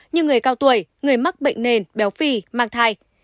như người cao tuổi người mắc bệnh nền béo phì mang thai